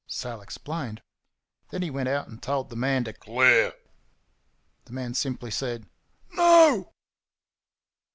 Sal explained. Then he went out and told the man to "Clear!" The man simply said, "No."